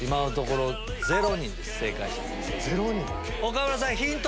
岡村さんヒント